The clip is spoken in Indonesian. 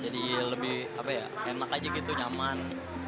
jadi lebih enak aja gitu nyaman